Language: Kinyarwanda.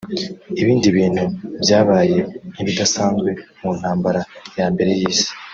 Ibindi bintu byabaye nk’ibidasanzwe mu ntambara ya Mbere y’Isi